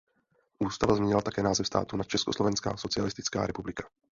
Ústava změnila také název státu na Československá socialistická republika.